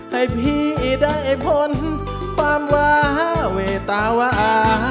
ให้พี่ได้พ้นความวาเวตาวา